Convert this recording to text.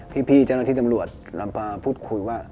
พี่เจ้าหน้าที่ตำรวจลำปาพูดคุยว่า